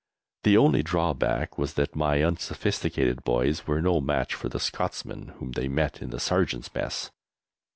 The only drawback was that my unsophisticated boys were no match for the Scotsmen whom they met in the Sergeant's Mess!